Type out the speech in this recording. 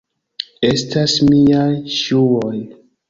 Estas miaj ŝuoj!